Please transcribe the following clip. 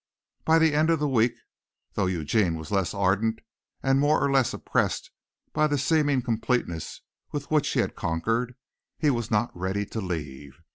By the end of the week, though Eugene was less ardent and more or less oppressed by the seeming completeness with which he had conquered, he was not ready to leave.